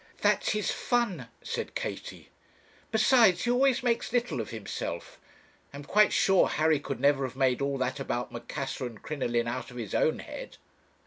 'That's his fun,' said Katie: 'besides, he always makes little of himself. I am quite sure Harry could never have made all that about Macassar and Crinoline out of his own head.'